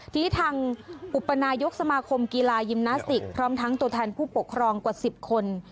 ทีนี้ทางอุปนายกสมาคมกีฬายิมนาสติกพร้อมทั้งตัวแทนผู้ปกครองกว่า๑๐คน